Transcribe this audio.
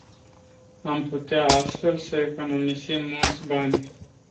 Am putea astfel să economisim mulți bani.